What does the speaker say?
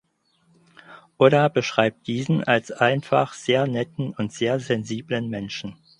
Oda beschreibt diesen als einfach sehr netten und sehr sensiblen Menschen.